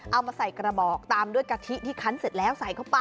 เอามาใส่กระบอกตามด้วยกะทิที่คันเสร็จแล้ว